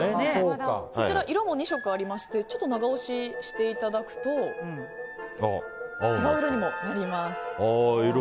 そちら、色も２色ありましてちょっと長押ししていただくと違う色にもなります。